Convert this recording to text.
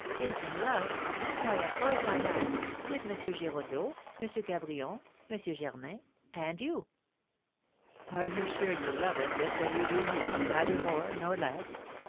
"Been in love? Why, of course I have, with M. Giraudeau, M. Cabrion, M. Germain, and you!" "Are you sure you loved them just as you do me, neither more nor less?"